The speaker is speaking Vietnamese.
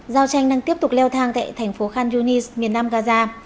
giao tranh đang tiếp tục leo thang tại thành phố khan yunis miền nam gaza